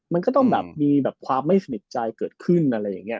มันก็ต้องแบบมีแบบความไม่สนิทใจเกิดขึ้นอะไรอย่างนี้